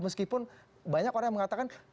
meskipun banyak orang yang mengatakan